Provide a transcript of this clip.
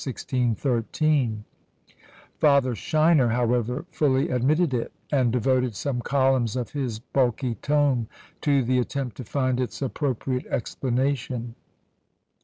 Father Scheiner, however, fully admitted it, and devoted some columns of his bulky tome to the attempt to find its appropriate explanation.